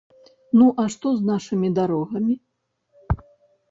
Ну а што з нашымі дарогамі?